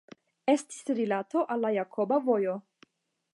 Estis rilato al la Jakoba Vojo.